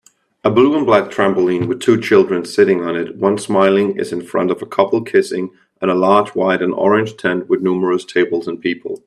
A blue and black trampoline with two children sitting on it one smiling is in front of a couple kissing and a large white and orange tent with numerous tables and people